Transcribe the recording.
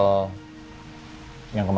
tentang mbak bella